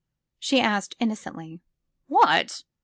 she asked innocently. What?'